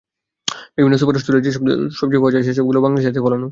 বিভিন্ন সুপার স্টোরে যেসব দেশি সবজি পাওয়া যায়, সেগুলোও বাংলাদেশিদের হাতে ফলানো।